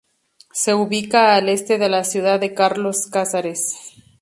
Se ubica al este de la ciudad de Carlos Casares.